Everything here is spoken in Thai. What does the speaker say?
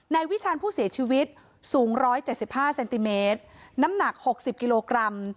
ในวิชาณผู้เสียชีวิตสูงร้อยเจ็ดสิบห้าเซนติเมตรน้ำหนักหกสิบกิโลกรัม